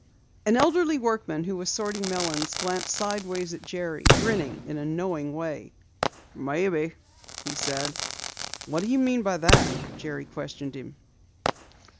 An elderly workman, who was sorting melons, glanced sideways at Jerry, grinning in a knowing way. "Maybe," he said. "What do you mean by that?" Jerry questioned him.